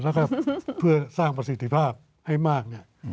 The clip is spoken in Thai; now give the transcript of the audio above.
แล้วก็เพื่อสร้างประสิทธิภาพให้มากเนี่ย